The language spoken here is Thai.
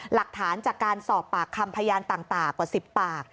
หลักฐานจากการสอบปากคำพยานต่างกว่า๑๐ปาก